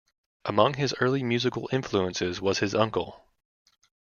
Among his early musical influences was his uncle.